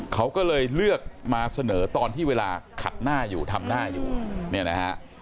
เขาก็เลยเลือกมาเสนอตอนที่เวลาขัดหน้าอยู่ทำหน้าอยู่เนี่ยนะฮะ